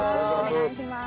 お願いします。